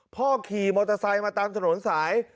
ขี่มอเตอร์ไซค์มาตามถนนสาย